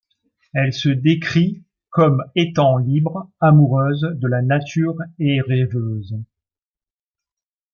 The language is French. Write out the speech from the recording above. Elle se décrit comme étant libre, amoureuse de la nature et rêveuse.